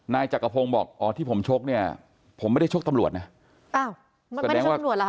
นายจกกระโพงบอกอ๋อที่ผมชกเนี่ยผมไม่ได้ชกตำรวจนะ